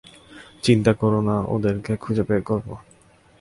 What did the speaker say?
চিন্তা করো না, ওদেরকে খুঁজে বের করব।